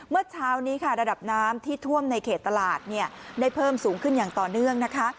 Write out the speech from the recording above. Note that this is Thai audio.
เมื่อเช้านี้ค่ะระดับน้ำที่ท่วมในเขตตลาดได้เพิ่มสูงขึ้นอย่างต่อเนื่องนะคะ